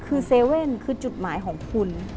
คือ๗๑๑คือจุดหมายของคุณ